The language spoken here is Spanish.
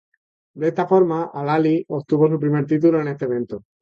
De esta forma, Al-Ahly obtuvo su primer título en este evento.